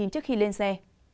trước khi lên xe